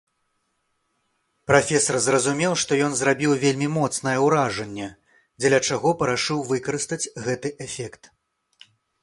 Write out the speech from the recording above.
Прафесар зразумеў, што ён зрабіў вельмі моцнае ўражанне, дзеля чаго парашыў выкарыстаць гэты эфект.